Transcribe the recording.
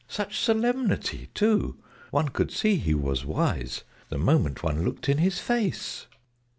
Such solemnity, too! One could see he was wise, The moment one looked in his face!